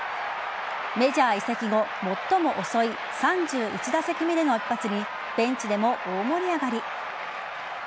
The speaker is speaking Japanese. メジャー移籍後最も遅い３１打席目での一発にベンチでも大盛り上がり。